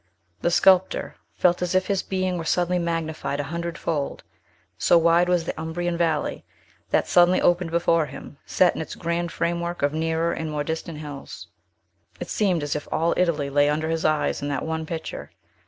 The sculptor felt as if his being were suddenly magnified a hundredfold; so wide was the Umbrian valley that suddenly opened before him, set in its grand framework of nearer and more distant hills. It seemed as if all Italy lay under his eyes in that one picture.